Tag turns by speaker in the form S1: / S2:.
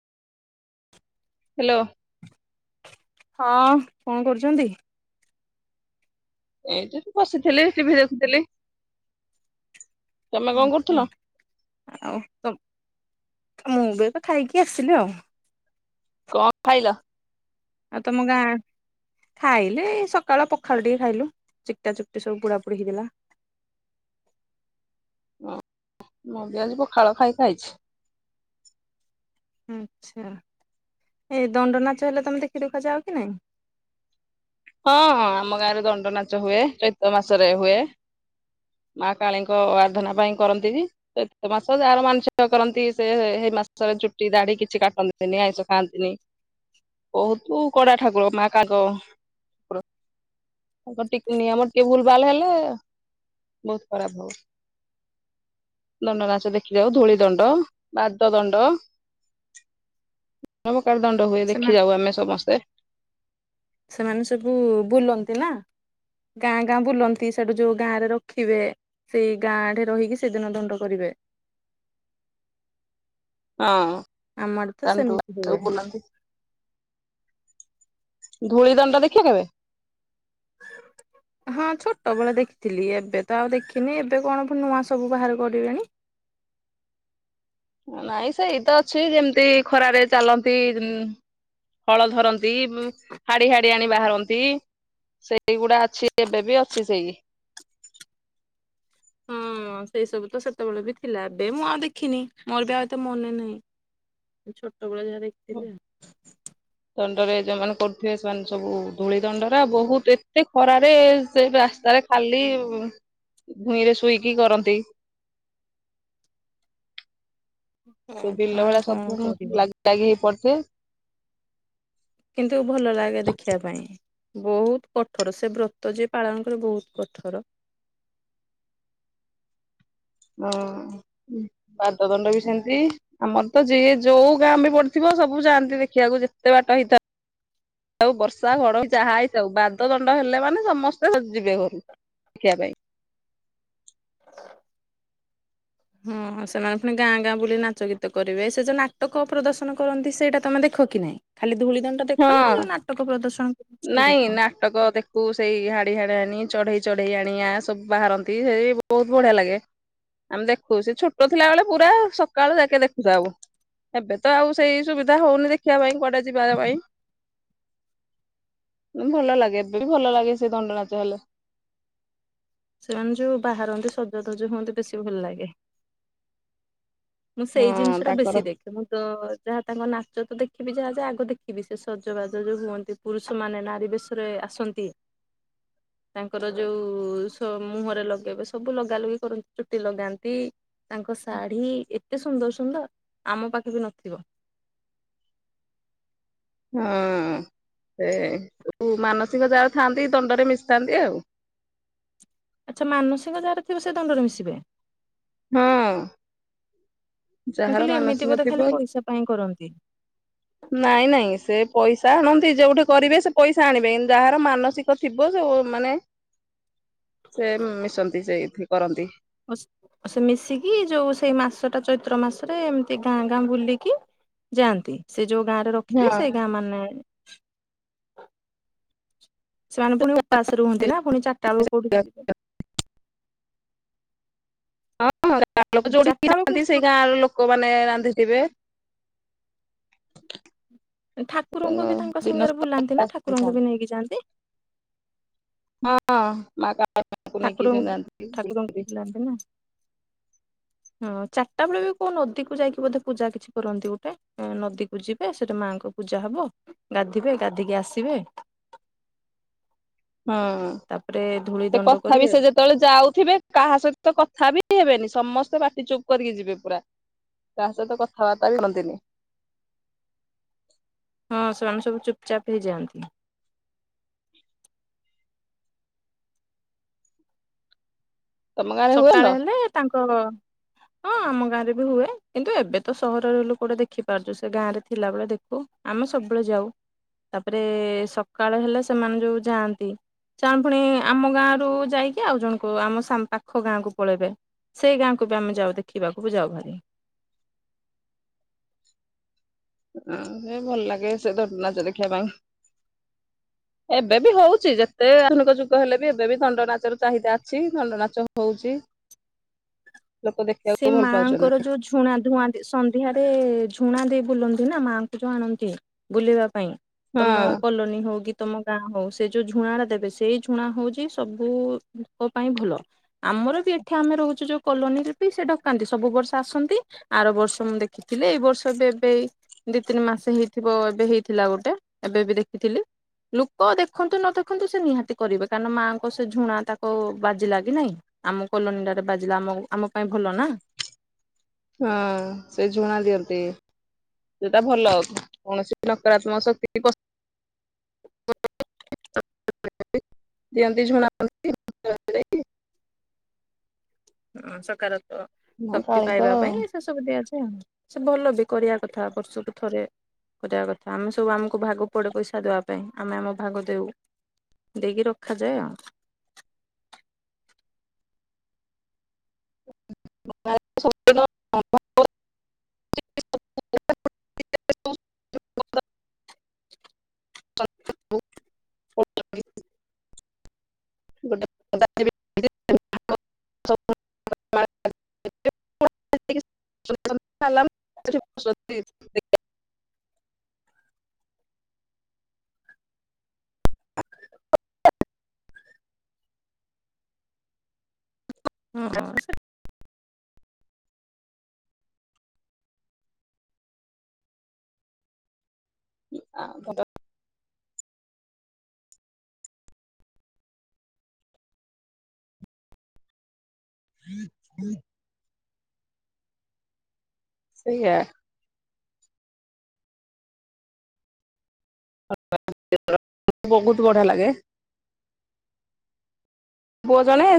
S1: Hello.
S2: ହଁ କଣ କରୁଛନ୍ତି?
S1: ଏ ଠି ବସିଥିଲି ଟିଭି ଦେଖୁଥିଲି। ତମେ କଣ
S2: ମୁଁ
S1: କରୁଥିଲ
S2: ବି ଏବେ ଖାଇକି ଆସିଲି ଆଉ।
S1: କଣ ଖାଇଲ?
S2: ଆଉ ତମ ଗାଁ। ଖାଇଲେ ସକାଳ ପଖାଳ ଟିକେ ଖାଇଲୁ ଚିକ୍ଟା ଚୁକ୍ଟି ସବୁ ପୁଡାପୁଡି ହେଇଥିଲା।
S1: ଓ ମୁଁ ବି ଆଜି ପଖାଳ ଖାଇ ଖାଇଛି।
S2: ଆଚ୍ଛା ଏଇ ଦଣ୍ଡନାଚ ହେଲେ ତମେ ଦେଖି ଦୁଖା ଯାଅ କି ନାଇଁ?
S1: ହଁ ହଁ ଆମ ଗାଁରେ ଦଣ୍ଡ ନାଚ ହୁଏ ଚୈତ ମାସରେ ହୁଏ। ମା କାଳୀଙ୍କ ଆରାଧନା ପାଇଁ କରନ୍ତି ବି। ଚୈତ ମାସ ଯାହାର ମାନଶିକ କରନ୍ତି ସେ ହେଇ ମାସରେ ଚୁଟି ଦାଢ଼ି କିଛି କାଟନ୍ତି ତିନି ଆଇଁଷ ଖାଆନ୍ତିନି ବହୁତୁ କଡା ଠାକୁର ମା କାଗ [inaudible] ତାଙ୍କର ଟିକେ ନିୟମ ଟିକେ ଭୁଲ ଭାଲ ହେଲେ ବହୁତ ଖରାପ ହଉ ଦଣ୍ଡ ନାଚ ଦେଖି ଯାଉ ଧୂଳି ଦଣ୍ଡ ବାଦ ଦଣ୍ଡ। [unintelligible] ଦଣ୍ଡ ହୁଏ ଦେଖି
S2: ସେମାନେ
S1: ଯାଉ ଆମେ ସମସ୍ତେ।
S2: ସେମାନେ ସବୁ ବୁଲନ୍ତି ନା। ଗାଁ ଗାଁ ବୁଲନ୍ତି ସେଠୁ ଯୋଉ ଗାଁ ରେ ରଖିବେ। ସେଇ ଗାଁ ଆଡେ ରହିକି ସେଦିନ ଦଣ୍ଡ କରିବେ।
S1: [inaudible] ହଁ
S2: ଆମ ଆଡେ ତ
S1: ଦଣ୍ଡୁଆ
S2: ସେମିତି ହୁଏ।
S1: ସବୁ ବୁଲନ୍ତି। ଧୂଳି ଦଣ୍ଡ ଦେଖ କେବେ? [inaudible]
S2: ହଁ ଛୋଟବେଳେ ଦେଖିଥିଲି ଏବେ ତ ଆଉ ଦେଖିନି ଏବେ କଣ ନୂଆ ସବୁ ବାହାର କରିବେଣି।
S1: ନାଇଁ ସେଇତ ଅଛି ଯେମିତି ଖରାରେ ଚାଲନ୍ତି। ହଳ ଧରନ୍ତି ହାଡି ହାଡିଆଣି ବାହାରନ୍ତି। ସେଇଗୁଡା ଅଛି ଏବେ ବି ଅଛି ସେଇ। [inaudible]
S2: ହଁ ସେଇ ସବୁ ତ ସେତେବେଳେ ବି ଥିଲା ଏବେ ମୁଁ ଆଉ ଦେଖିନି ମୋର ବି ଆଉ ଏତେ ମନେ ନାହିଁ। ଛୋଟବେଳେ ଯାହା ଦେଖିଥିଲ ଆଉ।
S1: ଦଣ୍ଡରେ ଯଉମାନେ କରୁଥିବେ ସେମାନେ ସବୁ ଧୂଳି ଦଣ୍ଡରେ ବହୁତ ଏତେ ଖରାରେ ସେ ରାସ୍ତାରେ ଖାଲି ଭୂଇଁ ରେ ଶୁଇକି କରନ୍ତି।
S2: ହ
S1: ସବୁ ବିଲ
S2: ହ
S1: ଭଳିଆ ସବୁ
S2: କଣ କରିବ।
S1: ଲାଗି ଲାଗି ପଡ଼ିଥିବେ।
S2: କିନ୍ତୁ ଭଲ ଲାଗେ ଦେଖିବା ପାଇଁ। ବହୁତ କଠୋର ସେ ବ୍ରତ ଯିଏ ପାଳନ କରିବ ବହୁତ କଠୋର।
S1: ହଁ ବାଦ ଦଣ୍ଡ ବି ସେମିତି। ଆମର ତ ଯିଏ ଯୋଉ ଗାଁ ବି ପଡିଥିବ ସବୁ ଯାଆନ୍ତି ଦେଖିବାକୁ ଯେତେ ବାଟ ହେଇଥା ଉ ସବୁ ବର୍ଷା ଘଡ ଯାହା ହେଇଥାଉ ବାଦ ଦଣ୍ଡ ହେଲେ ମାନେ ସମସ୍ତେ ଯିବେ ଘରୁ। ଖିଆ ପାଇଁ।
S2: ହଁ ହଁ ସେମାନେ ପୁଣି ଗାଁ ଗାଁ ବୁଲି ନାଚ ଗୀତ କରିବେ ସେ ଯେଉଁ ନାଟକ ପ୍ରଦର୍ଶନ କରନ୍ତି ସେଇଟା ତମେ ଦେଖ କି ନାଇଁ। ଖାଲି ଧୂଳି ଦଣ୍ଡ ଦେଖ ନା
S1: ହଁ।
S2: ଯୋଉ ନାଟକ ପ୍ରଦର୍ଶନ କରନ୍ତି ସେଇଟା
S1: ନାଇଁ
S2: ଦେଖ?
S1: ନା। ନାଟକ ଦେଖୁ ସେଇ ହାଡି ହାଡିଆଣି ଚଢେଇ ଚଢେଇ ଆଣିଆ ସବୁ ବାହାରନ୍ତି ସେ ବହୁତ ବଢିଆ ଲାଗେ। ଆମେ ଦେଖୁ ସେ ଛୋଟ ଥିଲାବେଳେ ପୁରା ସକାଳୁ ଯାକେ ଦେଖୁ ଥାଉ। ଏବେ ତ ଆଉ ସେଇ ସୁବିଧା ହଉନି ଦେଖିବା ପାଇଁକୁଆଡ଼େ ଯିବା ପାଇଁ। ଭଲ ଲାଗେ ଏବେ ବି ଭଲ ଲାଗେ ସେ ଦଣ୍ଡ ନାଚ ହେଲେ।
S2: ସେମାନେ ଯୋଉ ବାହାରନ୍ତି ସଜତଜ ହୁଅନ୍ତି ବେଶୀ ଭଲ ଲାଗେ। ମୁଁ ସେଇ
S1: ହଁ
S2: ଜିନିଷ ଟା
S1: ତାଙ୍କର
S2: ବେଶୀ ଦେଖେ। ମୁଁ ତ ଯାହା ତାଙ୍କ ନାଚ ତ ଦେଖିବି ଯାହା ଯା ଆଗ ଦେଖିବି ସେ ସଜବାଜ ଯୋଉ ହୁଅନ୍ତି। ପୁରୁଷ ମାନେ ନାରୀ ବେଶ ରେ ଆସନ୍ତି।
S1: [inaudible]
S2: ତାଙ୍କର ଯୋଉ ସ ମୁହଁରେ ଲଗେଇବା ସବୁ ଲଗା ଲଗି କରନ୍ତି ଚୁଟି ଲଗାନ୍ତି। ତାଙ୍କ ଶାଢୀ ଏତେ ସୁନ୍ଦର ସୁନ୍ଦର ଆମ ପାଖେ ବି ନଥିବ।
S1: ହଁ ସେ ମାନସିକ ଯାହାର ଥାଆନ୍ତି ଦଣ୍ଡରେ ମିଶିଥାନ୍ତି ଆଉ।
S2: ଆଚ୍ଛା ମାନସିକ ଯାହାର ଥିବ ସେ ଦଣ୍ଡରେ ମିଶିବେ।
S1: ହଁ
S2: ମୁଁ
S1: ଯାହାର
S2: କହିଲି ଏମିତି
S1: ମାନସିକ
S2: ବୋଧେ ଖାଲି
S1: ଥିବ
S2: ପଇସା ପାଇଁ କରନ୍ତି।
S1: ନାଇଁ ନାଇଁ ସେ ପଇସା ଆଣନ୍ତି ଯୋଉଠି କରିବେ ସେ ପଇସା ଆଣିବେ ଯାହାର ମାନସିକ ଥିବ ଯୋଉମାନେ ସେ ମିଶନ୍ତି ସେଇଠି କରନ୍ତି।
S2: ଅସ ଆଉ ସେ ମିଶିକି ଯୋଉ ସେଇ ମାସଟା ଚୈତ୍ର ମାସରେ ଏମିତି ଗାଁ ଗାଁ ବୁଲିକି ଯାଆନ୍ତି ସେ ଯୋଉ ଗାଁରେ ରଖିବେ
S1: ହଁ।
S2: ସେଇ ଗାଁ ମାନେ ସେମାନେ ପୁଣି ଉପାସ ରୁହନ୍ତି ନା ପୁଣି ଚାରିଟା ବେଳକୁ କଉଠିକି ଯିବେ?
S1: ହଁ ଗାଁ ଲୋକ ଯୋଉଠିକି
S2: ଚାରିଟା
S1: ଯାଆନ୍ତି
S2: ବେଳକୁ
S1: ସେଇ ଗାଁର ଲୋ କମାନେ ରାନ୍ଧିଥିବେ।
S2: ଠାକୁରଙ୍କୁ ବି ତାଙ୍କ
S1: ଦିନ
S2: ସାଙ୍ଗରେ
S1: ସାରା
S2: ବୁଲାନ୍ତି ନା
S1: ହଁ
S2: ଠାକୁରଙ୍କୁ ବି ନେଇକି ଯାଆନ୍ତି।
S1: ହଁ ମା କାଳୀମାଙ୍କୁ ନେଇକି
S2: ଠାକୁରଙ୍କୁ
S1: ଯାଆନ୍ତି
S2: ଠାକୁରଙ୍କୁ ବୁଲାନ୍ତିନା। ହଁ ଚାରିଟା ବେଳେ ବି କୋଉ ନଦୀକୁ ଯାଇକି ବୋଧେ ପୂଜା କିଛି କରନ୍ତି ଗୋଟେ। ନଦୀକୁ ଯିବେ ସେଠି ମାଙ୍କ ପୂଜା ହବ ଗାଧେଇବେ ଗାଧେଇକି ଆସିବେ। ତାପରେ ଧୂଳି ଦଣ୍ଡ
S1: ତଥାପି
S2: କରିବେ
S1: ସେ ଯେତେବେଳେ ଯାଉଥିବେ କାହା ସହିତ କଥା ବି ହେବେନି ସମସ୍ତେ ପାଟି ଚୁପ କରିକି ଯିବେ ପୁରା। କାହା ସହିତ କଥାବାର୍ତ୍ତା ବି ହୁଅନ୍ତିନି।
S2: ହଁ ସେମାନେ ସବୁ ଚୁପ ଚାପ୍ ହେଇ ଯାଆନ୍ତି।
S1: ତମ ଗାଁରେ ହୁଏନ?
S2: ସକାଳେ ହେଲେ ତାଙ୍କ ହଁ ଆମ ଗାଁରେ ବି ହୁଏ କିନ୍ତୁ ଏବେ ତ ସହରରେ ଲୋକ ଗୋଟେ ଦେଖିପାରୁଛୁ ସେ ଗାଁ ରେ ଥିଲାବେଳେ ଦେଖୁ। ଆମେ ସବୁବେଳେ ଯାଉ ତାପରେ ସକାଳ ହେଲେ ସେମାନେ ଯୋଉ ଯାଆନ୍ତି। ଚାଁ ପୁଣି ଆମ ଗାଁରୁ ଯାଇକି ଆଉ ଜଣକୁ ଆମ ସାନ ପାଖ ପାଖ ଗାଁକୁ ପଳେଇବେ ସେଇ ଗାଁକୁ ବି ଆମେ ଯାଉ ଦେଖିବାକୁ ବି ଯାଉ ଭାରି।
S1: ହଁ ସେ ଭଲ ଲାଗେ ସେ ଦଣ୍ଡ ନାଚ ଦେଖିବା ପାଇଁ। ଏବେ ବି ହଉଚି ଯେତେ ଆଧୁନିକ ଯୁଗ ହେଲେ ବି ଏବେ ବି ଦଣ୍ଡ ନାଚର ଚାହିଦା ଅଛି ଦଣ୍ଡ ନାଚ ହଉଛି। ଲୋକ
S2: ସେ
S1: ଦେଖିବାକୁ ଭଲ
S2: ମାଆଙ୍କର
S1: ପାଉଛନ୍ତି।
S2: ଯୋଉ ଝୁଣା ଧୁଆଁ ଦି-ସନ୍ଧ୍ୟାରେ ଝୁଣା ଦେଇ ବୁଲନ୍ତି ନା ମାଙ୍କୁ ଯୋଉ ଆଣନ୍ତି। ବୁଲିିବା ପାଇଁ
S1: ହଁ
S2: ତମ କୋଲନ ହଉକି ତମ ଗାଁ ହଉ ସେ ଯୋଉ ଝୁଣାଟା ଦେବେ ସେଇ ଝୁଣା ହଉଛି ସବୁ ଲୋକ ପାଇଁ ଭଲ। ଆମର ବି ଏଠି ଆମେ ରହୁଚୁ ଯୋଉ କଲୋନୀରେ ବି ସେ ଡକାନ୍ତି ସବୁ ବର୍ଷ ଆସନ୍ତି ଆର ବର୍ଷ ମୁଁ ଦେଖିଥିଲି ଏଇ ବର୍ଷ ବି ଏବେ ଏଇ ଦି ତିନି ମାସ ହେଇଥିବ ଏବେ ହେଇଥିଲା ଗୋଟେ ଏବେ ବି ଦେଖିଥିଲି। ଲୋକ ଦେଖନ୍ତୁ ନ ଦେଖନ୍ତୁ ସେ ନିହାତି କରିବେ କାରଣ ମାଆଙ୍କ ସେ ଝୁଣା ତାକୁ ବାଜିଲା କି ନାଇଁ। ଆମ କଲୋନୀଟାରେ ବାଜିଲା ଆମ ଆମ ପାଇଁ ଭଲ ନା।
S1: ହଁ ସେ ଝୁଣା ଦିଅନ୍ତି। ସେଟା ଭଲ କୌଣସି ନକାରାତ୍ମକ ଶକ୍ତି ପଶି [inaudible] [inaudible] ଦିଅନ୍ତି ଝୁଣା
S2: ହୁଁ। ସକାରାତ୍ମକ
S1: ମା
S2: ଶକ୍ତି
S1: କାଳୀଙ୍କ
S2: ପାଇବା ପାଇଁ ସେ ସବୁ ଦିଆଯାଏ ଆଉ। ସେ ଭଲ ବି କରିବା କଥା ବର୍ଷ କୁ ଥରେ। କରିବା କଥା। ଆମେ ସବୁ ଆମକୁ ଭାଗ ପଡେ ପଇସା ଦେବା ପାଇଁ। ଆମେ ଆମ ଭାଗ ଦେଉ। ଦେଇକି ରଖାଯାଏ ଆଉ।
S1: [inaudible] [inaudible] [inaudible] ଗୋଟେ [inaudible] [inaudible]
S2: ହଁ ସେ
S1: ଉଁ ଆଁ ପନ୍ଦ ହୁଁ ହୁଁ ସେଇଆ [inaudible] ବହୁତ ବଢିଆ ଲାଗେ। ପୁଅ ଜଣେ